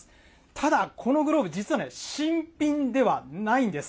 ただ、このグローブ、実は新品ではないんです。